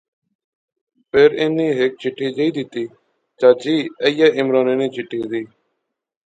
فیر انی ہیک چٹھی جئی دیتی، چاچی ایہہ عمرانے نی چٹھی دی